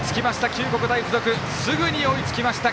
九国大付属すぐに追いつきました。